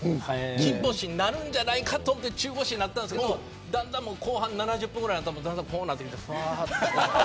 金星になるんじゃないかと思って中腰になったんですけどだんだん後半の７０分ぐらいのときはこうなってきた。